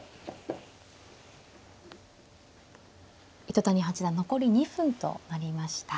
糸谷八段残り２分となりました。